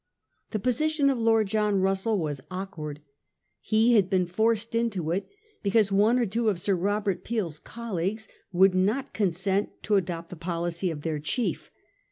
The position of Lord John Russell was awk ward. He had been forced into it because one or two of Sir Robert Peel's colleagues would not consent to adopt the policy of their chief.